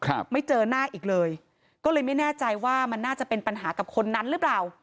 ไม่เจอหน้าอีกเลยก็เลยไม่แน่ใจว่ามันน่าจะเป็นปัญหากับคนนั้นหรือเปล่า